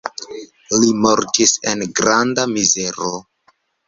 Li mortis en granda mizero.